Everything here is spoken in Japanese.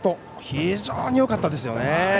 非常によかったですよね。